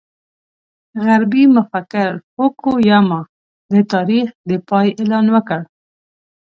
غربي مفکر فوکو یاما د تاریخ د پای اعلان وکړ.